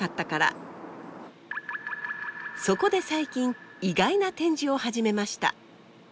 そこで最近意外な展示を始めました。